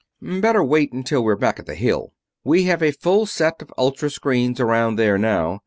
Better wait until we're back at the Hill. We have a full set of ultra screens around there now.